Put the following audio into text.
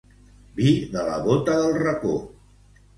Vi de la bota del racó.